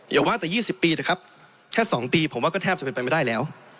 อย่าว่าแต่๒๐ปีนะครับแค่๒ปีผมว่าก็แทบจะเป็นไปไม่ได้แล้ว